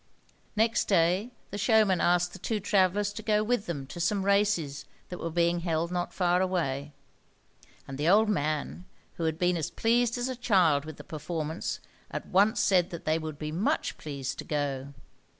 Next day the showman asked the two travellers to go with them to some races that were being held not far away; and the old man, who had been as pleased as a child with the performance, at once said that they would be much pleased to go.